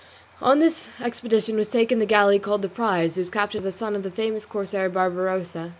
On this expedition was taken the galley called the Prize, whose captain was a son of the famous corsair Barbarossa.